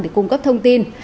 để cung cấp thông tin